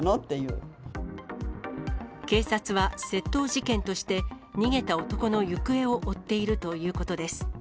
警察は窃盗事件として、逃げた男の行方を追っているということです。